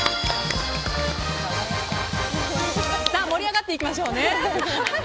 盛り上がっていきましょうね！